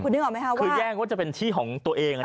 คุณนึกออกไหมค่ะคือแย่งว่าจะเป็นชิ้นของตัวเอง